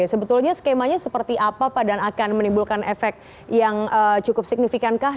sebetulnya skemanya seperti apa pak dan akan menimbulkan efek yang cukup signifikankah